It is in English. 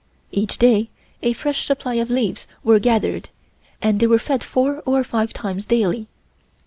Each day a fresh supply of leaves were gathered and they were fed four or five times daily.